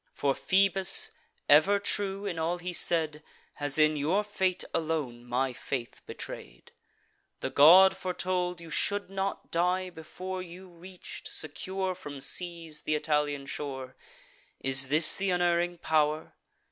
For Phoebus, ever true in all he said, Has in your fate alone my faith betray'd. The god foretold you should not die, before You reach'd, secure from seas, th' Italian shore. Is this th' unerring pow'r?"